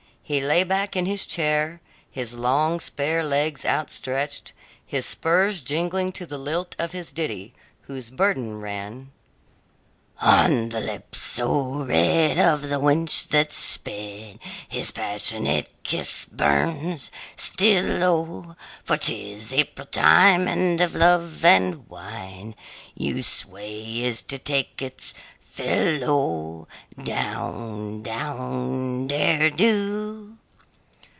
He lay back in his chair, his long, spare legs outstretched, his spurs jingling to the lilt of his ditty whose burden ran: On the lip so red of the wench that's sped His passionate kiss burns, still O! For 'tis April time, and of love and wine Youth's way is to take its fill O! Down, down, derry do!